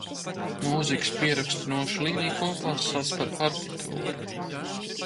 Mūzikas pierakstu nošu līnijkopās sauc par partitūru.